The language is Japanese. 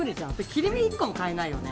切り身１個も買えないよね。